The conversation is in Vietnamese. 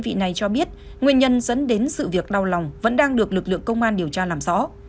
lãnh đạo đơn vị này cho biết nguyên nhân dẫn đến sự việc đau lòng vẫn đang được lực lượng công an điều tra làm rõ